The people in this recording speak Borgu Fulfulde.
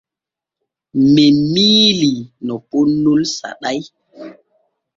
Men miilii no poonnol saɗay.